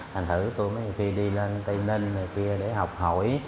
thành thử tôi mấy khi đi lên tây ninh này kia để học hỏi